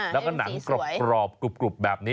แล้วก็หนังกรอบกรุบแบบนี้